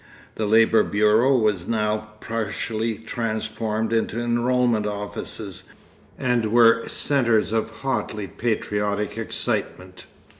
The Labour Bureaux were now partially transformed into enrolment offices, and were centres of hotly patriotic excitement.